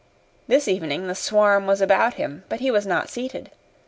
This evening the swarm was about him, but he was not seated.